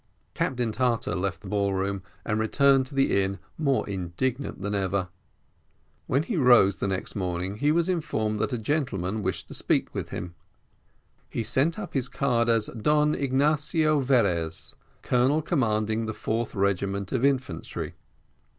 Captain Tartar left the ball room and returned to the inn, more indignant than ever. When he rose the next morning he was informed that a gentleman wished to speak with him; he sent up his card as Don Ignatio Verez, colonel commanding the fourth regiment of infantry.